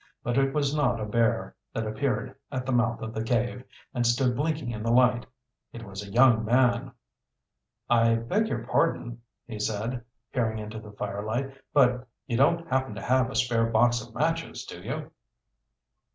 But it was not a bear that appeared at the mouth of the cave and stood blinking in the light. It was a young man! "I beg your pardon," he said, peering into the firelight, "but you don't happen to have a spare box of matches, do you?"